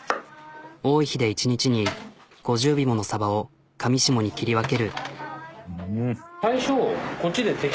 多い日で１日に５０尾ものさばをカミシモに切り分ける。